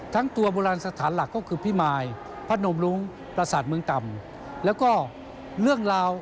ทั้งตัวบรราณสถานหลักก็คือ